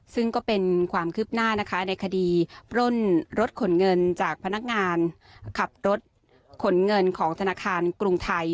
ซึ่งก็เป็นความคืบหน้านะคะในคดีปล้นรถขนเงินจากพนักงานขับรถขนเงินของธนาคารกรุงไทย